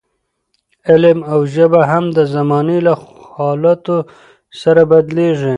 علم او ژبه هم د زمانې له حالاتو سره بدلېږي.